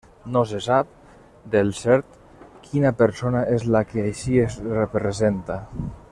No se sap del cert quina persona és la que així es representa.